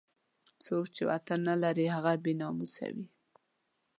څوک چې وطن نه لري هغه بې ناموسه وي.